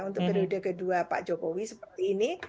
untuk periode kedua pak jokowi seperti ini